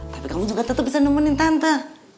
tapi kamu juga tetap bisa nemenin tante